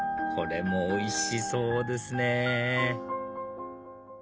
これもおいしそうですね！